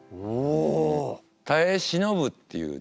「耐え忍ぶ」っていうね